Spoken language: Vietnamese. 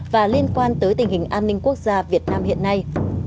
và liên quan tới tình hình an ninh quốc gia việt nam hiện nay